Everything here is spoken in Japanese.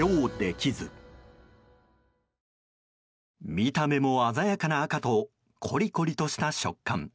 見た目も鮮やかな赤とコリコリとした食感。